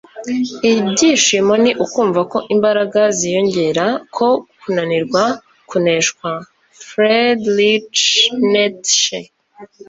Ibyishimo ni ukumva ko imbaraga ziyongera - ko kunanirwa kuneshwa.” - Friedrich Nietzsche